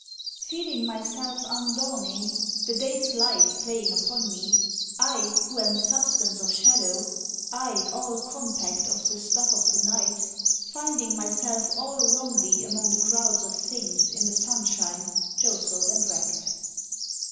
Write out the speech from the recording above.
Feeling myself undawning, the day's light playing upon me, I who am substance of shadow, I all compact Of the stuff of the night, finding myself all wrongly Among the crowds of things in the sunshine jostled and racked.